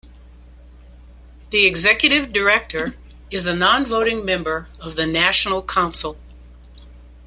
The Executive Director is a non-voting member of the National Council.